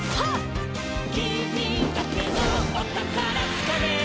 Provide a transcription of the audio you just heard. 「きみだけのおたからつかめ！」